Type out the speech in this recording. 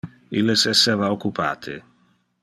Illes esseva occupate.